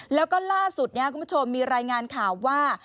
แล้วก็ล่าสุดคุณผู้ชมมีรายงานข่าวว่า